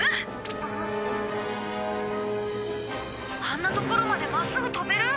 あんな所までまっすぐ飛べる？